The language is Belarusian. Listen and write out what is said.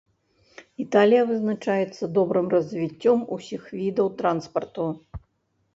Італія вызначаецца добрым развіццём усіх відаў транспарту.